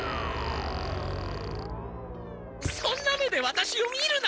そんな目でワタシを見るな！